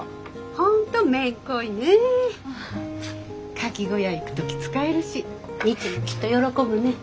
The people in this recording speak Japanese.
カキ小屋行く時使えるし未知もきっと喜ぶね。